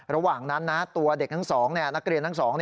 ระหว่างนั้นนะตัวเด็กทั้ง๒นักเรียนทั้ง๒